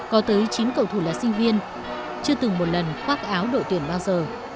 có tới chín cầu thủ là sinh viên chưa từng một lần khoác áo đội tuyển bao giờ